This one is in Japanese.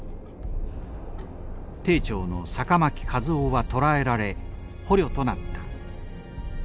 艇長の酒巻和男は捕らえられ捕虜となった。